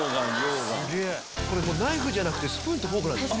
これナイフじゃなくてスプーンとフォークなんですね。